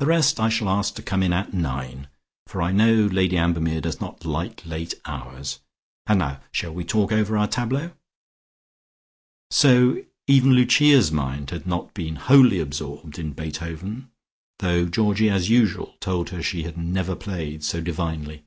The rest I shall ask to come in at nine, for I know Lady Ambermere does not like late hours. And now shall we talk over our tableaux?" So even Lucia's mind had not been wholly absorbed in Beethoven, though Georgie, as usual, told her she had never played so divinely.